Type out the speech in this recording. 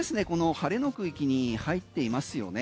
晴れの区域に入っていますよね。